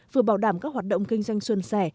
vừa bảo đảm các hoạt động kinh doanh xuân sẻ